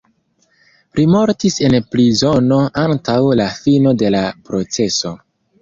Li mortis en prizono antaŭ la fino de la proceso.